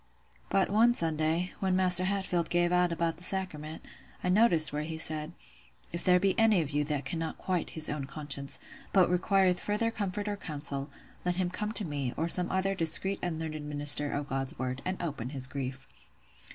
"But one Sunday, when Maister Hatfield gave out about the sacrament, I noticed where he said, 'If there be any of you that cannot quiet his own conscience, but requireth further comfort or counsel, let him come to me, or some other discreet and learned minister of God's word, and open his grief!